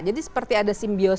jadi seperti ada simbiosi